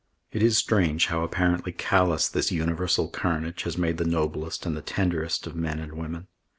It is strange how apparently callous this universal carnage has made the noblest and the tenderest of men and women.